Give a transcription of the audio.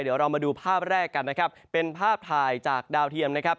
เดี๋ยวเรามาดูภาพแรกกันนะครับเป็นภาพถ่ายจากดาวเทียมนะครับ